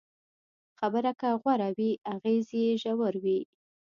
خبره که غوره وي، اغېز یې ژور وي.